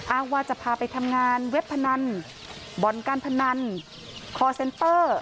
อ้างว่าจะพาไปทำงานเว็บพนันบ่อนการพนันคอร์เซนเตอร์